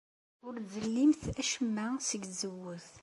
Ur ttzellimt acemma seg tzewwut.